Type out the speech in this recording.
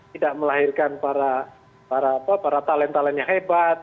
tidak melahirkan para talent talentnya hebat